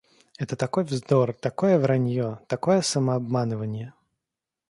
Это такой вздор, такое вранье, такое самообманыванье.